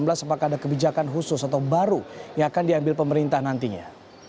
apakah ada kebijakan khusus atau baru yang akan diambil pemerintah nantinya